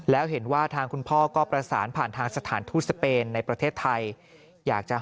แล้วเห็นว่าทางคุณพ่อก็ประสานผ่านทางสถานทูตสเปนในประเทศไทยอยากจะ